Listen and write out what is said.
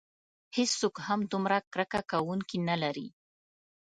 هیڅوک هم دومره کرکه کوونکي نه لري.